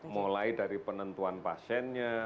mulai dari penentuan pasiennya